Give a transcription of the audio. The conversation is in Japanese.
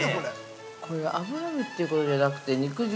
これ、脂身ということじゃなくて、肉汁？